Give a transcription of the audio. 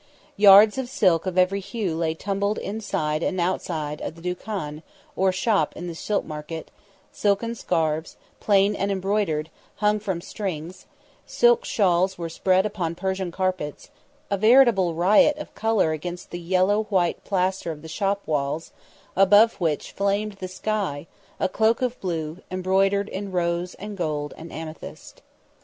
Yards of silk of every hue lay tumbled inside and outside the dukkan or shop in the silk market; silken scarves, plain and embroidered, hung from strings; silk shawls were spread upon Persian carpets; a veritable riot of colour against the yellow white plaster of the shop walls, above which flamed the sky, a cloak of blue, embroidered in rose and gold and amethyst.